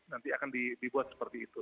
nanti akan dibuat seperti itu